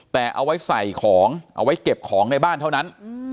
แต่เอาไว้ใส่ของเอาไว้เก็บของในบ้านเท่านั้น